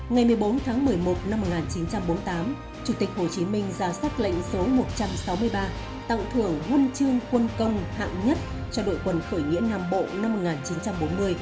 ngày một mươi bốn tháng một mươi một năm một nghìn chín trăm bốn mươi tám chủ tịch hồ chí minh ra sát lệnh số một trăm sáu mươi ba tặng thưởng huân chương quân công hạng nhất cho đội quân khởi nghĩa nam bộ năm một nghìn chín trăm bốn mươi